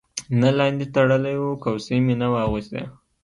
نه لاندې تړلی و، کوسۍ مې نه وه اغوستې.